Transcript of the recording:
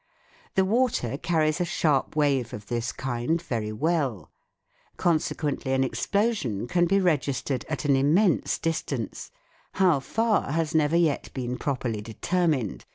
The water carries a sharp wave of this kind very well. Consequently an explosion can be registered at an immense distance : how far has never yet been properly determined.